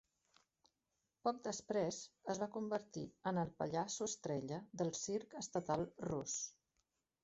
Poc després es va convertir en el pallasso estrella del Circ Estatal Rus.